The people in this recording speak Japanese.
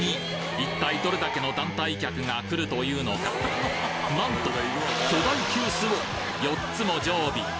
一体どれだけの団体客が来るというのかなんと巨大急須を４つも常備！